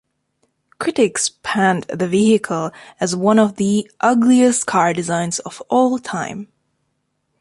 Critics panned the vehicle as one of the ugliest car designs of all time.